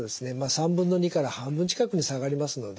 ３分の２から半分近くに下がりますので。